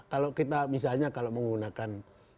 kalau kita misalnya kalau menggunakan